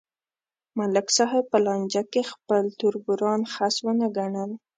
ملک صاحب په لانجه کې خپل تربوران خس ونه گڼل